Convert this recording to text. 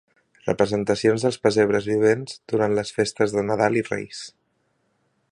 Representacions del pessebre vivent durant les festes de Nadal i Reis.